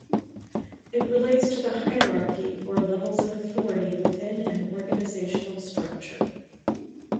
It relates to the hierarchy or levels of authority within an organizational structure.